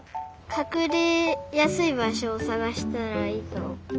かくれやすいばしょをさがしたらいいと。